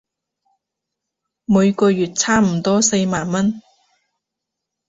每個月差唔多四萬文